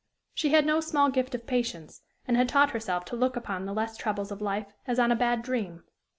She had no small gift of patience, and had taught herself to look upon the less troubles of life as on a bad dream.